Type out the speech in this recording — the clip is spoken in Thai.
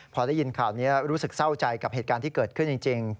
พอได้ยินข่าวนี้รู้สึกเศร้าใจกับเหตุการณ์ที่เกิดขึ้นจริง